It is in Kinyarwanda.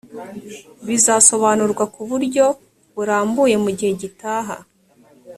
bizasobanurwa kuburyo burambuye mu gihe gitaha